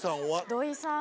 土井さん